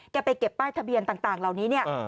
ไปเก็บป้ายทะเบียนต่างเหล่านี้เนี่ย